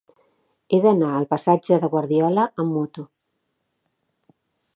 He d'anar al passatge de Guardiola amb moto.